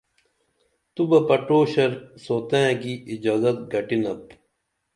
تو بہ پٹوشر سوتئیں کی اجازت گھٹی نپ